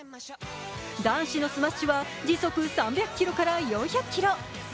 男子のスマッシュは時速３００キロから４００キロ。